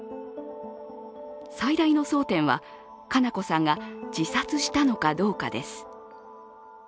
最大の争点は、佳菜子さんが自殺したのかどうかです。